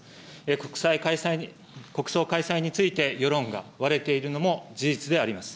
こくさい、国葬開催について、世論が割れているのも事実であります。